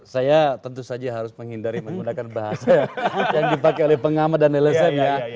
saya tentu saja harus menghindari menggunakan bahasa yang dipakai oleh pengamat dan lsm ya